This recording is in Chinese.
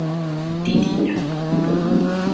蒂蒂雅。